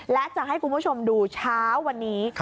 และจะให้คุณผู้ชมดูเช้าวันนี้